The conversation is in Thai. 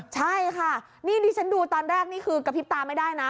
ใช่ค่ะนี่ดิฉันดูตอนแรกนี่คือกระพริบตาไม่ได้นะ